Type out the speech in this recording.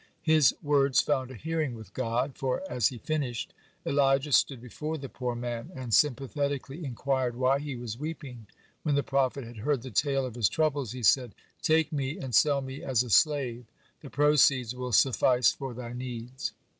His words found a hearing with God, for, as he finished, Elijah stood before the poor man, and sympathetically inquired why he was weeping. When the prophet had heard the tale of his troubles, he said: "Take me and sell me as a slave; the proceeds will suffice for thy needs."